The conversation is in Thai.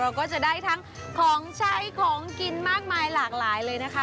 ก็จะได้ทั้งของใช้ของกินมากมายหลากหลายเลยนะคะ